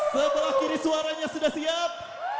sebelah kiri suaranya sudah siap